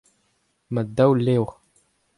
Ma daou levr.